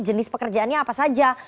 jenis pekerjaannya apa saja